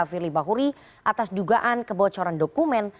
firly bahuri atas dugaan kebocoran dokumen